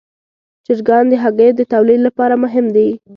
چرګان د هګیو د تولید لپاره مهم دي.